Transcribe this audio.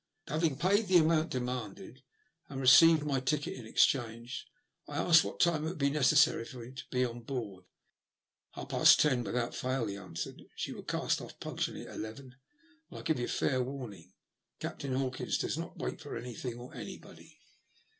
Having paid the amount demanded, and received my ticket in exchange, I asked what time it would be necessary for me to be on board. " Half past ten without fail," he answered. " She will cast oflf punctually at eleven ; and I give you fair warning Captain Hawkins does not wait for any thing or anybody."